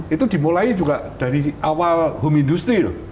itu dimulai juga dari awal home industry loh